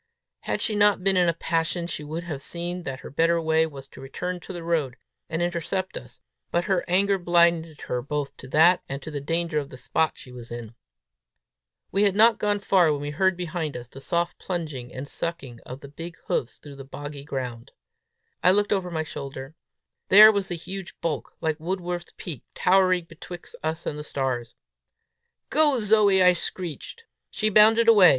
Had she not been in a passion, she would have seen that her better way was to return to the road, and intercept us; but her anger blinded her both to that and to the danger of the spot she was in. We had not gone far when we heard behind us the soft plunging and sucking of the big hoofs through the boggy ground. I looked over my shoulder. There was the huge bulk, like Wordsworth's peak, towering betwixt us and the stars! "Go, Zoe!" I shrieked. She bounded away.